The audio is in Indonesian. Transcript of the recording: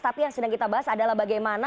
tapi yang sedang kita bahas adalah bagaimana